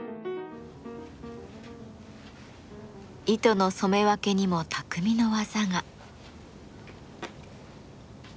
糸の染め分けにも匠の技が。